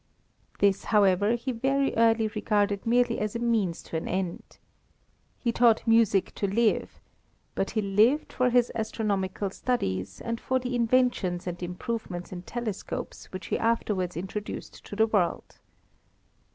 This, however, he very early regarded merely as a means to an end. He taught music to live, but he lived for his astronomical studies and for the inventions and improvements in telescopes which he afterwards introduced to the world.